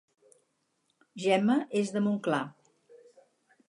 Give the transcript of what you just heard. Gemma és de Montclar